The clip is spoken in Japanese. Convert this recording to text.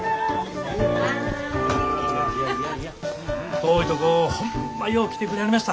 遠いとこホンマよう来てくれはりました。